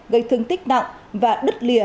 gây thương tích nặng và đứt lìa